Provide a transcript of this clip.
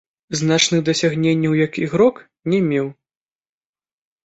Значных дасягненняў як ігрок не меў.